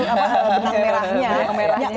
apa benang merahnya